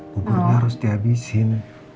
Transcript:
buburnya harus di habisin